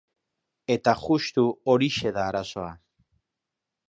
Eta justu horixe da arazoa.